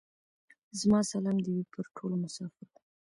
زما سلام دي وې پر ټولو مسافرو.